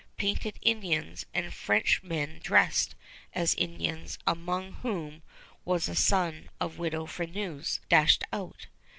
Painted Indians, and Frenchmen dressed as Indians, among whom was a son of Widow Freneuse, dashed out.